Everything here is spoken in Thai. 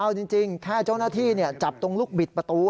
เอาจริงแค่เจ้าหน้าที่จับตรงลูกบิดประตู